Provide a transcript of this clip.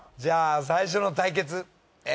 じゃあ最初の対決